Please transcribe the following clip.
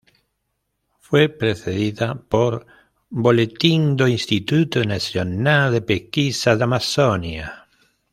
Fue precedida por "Boletim do instituto nacional de pesquisas da Amazonia".